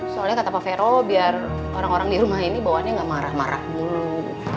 soalnya kata pak fero biar orang orang di rumah ini bawaannya gak marah marah dulu